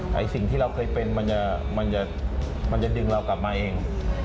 ไอ้สิ่งที่เราเคยเป็นมันจะดึงเรากลับมาเอง